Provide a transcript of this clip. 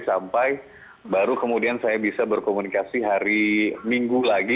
sampai baru kemudian saya bisa berkomunikasi hari minggu lagi